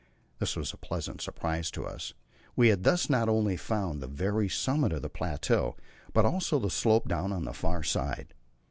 This was a pleasant surprise to us; we had thus not only found the very summit of the plateau, but also the slope down on the far side.